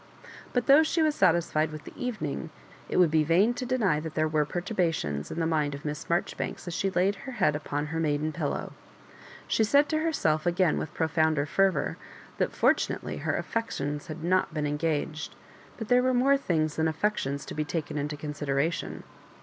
But though she was satisfied with the evening, it would be vain to deny that there were perturbations in the mind of Miss Marjoribanks as she laid her head upon her maiden pillow. She said to herself again with profounder fervour, that fortunately her affections had not been engaged ; but there were more things than affections to be taken into consideration.